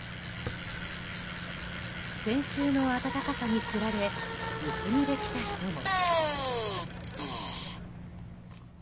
先週の暖かさにつられ薄着で来た人も。